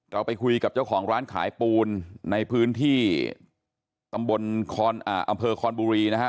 เราไปคุยกับเจ้าของร้านขายปูนในพื้นที่ตำบลอำเภอคอนบุรีนะฮะ